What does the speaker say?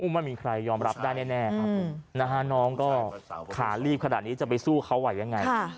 ไม่มีใครยอมรับได้แน่ครับนะฮะน้องก็ขาลีบขนาดนี้จะไปสู้เขาไหวยังไง